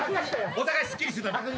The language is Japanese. お互いすっきりするため。